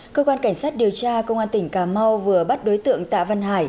cơ quan cảnh sát điều tra công an tỉnh cà mau vừa bắt đối tượng tạ văn hải